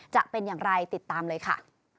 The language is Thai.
จะเป็นอย่างไรติดตามเลยค่ะ